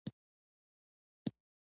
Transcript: هلته په جومات کښې به اذان کېده.